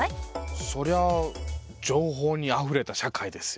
そりゃあ情報にあふれた社会ですよ。